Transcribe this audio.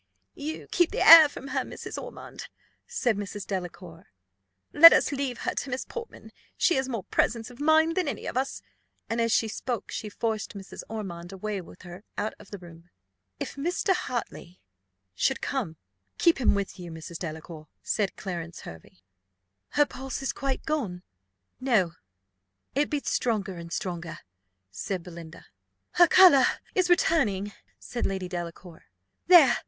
"You keep the air from her, Mrs. Ormond," said Mrs. Delacour. "Let us leave her to Miss Portman; she has more presence of mind than any of us." And as she spoke she forced Mrs. Ormond away with her out of the room. "If Mr. Hartley should come, keep him with you, Mrs. Delacour," said Clarence Hervey. "Is her pulse quite gone?" "No; it beats stronger and stronger," said Belinda. "Her colour is returning," said Lady Delacour. "There!